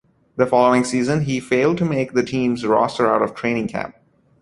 The following season, he failed to make the team's roster out of training camp.